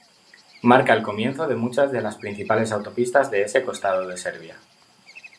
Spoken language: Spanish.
Marca el comienzo de muchas de las principales autopistas de ese costado de Serbia.